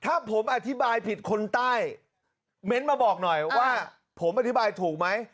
ถ้าผมอธิบายผิดคนใต้เม้นต์มาบอกหน่อยว่าผมอธิบายถูกไหม